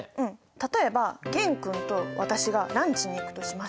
例えば玄君と私がランチに行くとします。